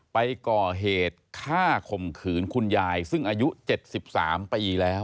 ไปก่อเหตุฆ่าข่มขืนคุณยายซึ่งอายุ๗๓ปีแล้ว